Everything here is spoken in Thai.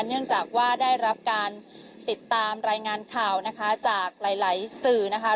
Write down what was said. เนื่องจากว่าได้รับการติดตามรายงานข่าวนะคะจากหลายสื่อนะคะ